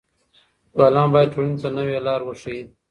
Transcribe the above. ليکوالان بايد ټولني ته نوې لار وښيي.